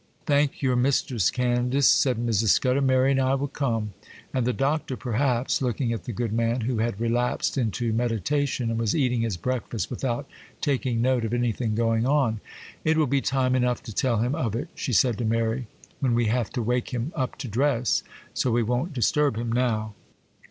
'Thank your mistress, Candace,' said Mrs. Scudder; 'Mary and I will come,—and the Doctor, perhaps,' looking at the good man, who had relapsed into meditation, and was eating his breakfast without taking note of anything going on. 'It will be time enough to tell him of it,' she said to Mary, 'when we have to wake him up to dress; so we won't disturb him now.